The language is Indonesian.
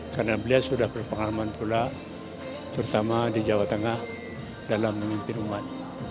karena belia sudah berpengalaman pula terutama di jawa tengah dalam memimpin umat